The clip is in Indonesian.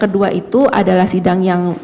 kedua itu adalah sidang yang